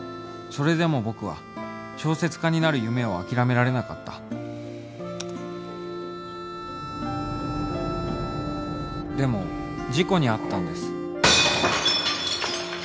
それでも僕は小説家になる夢を諦められなかったでも事故に遭ったんです